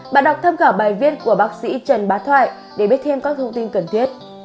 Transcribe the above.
bạn đọc tham khảo bài viết của bác sĩ trần bá thoại để biết thêm các thông tin cần thiết